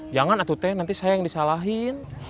jangan atute nanti saya yang disalahin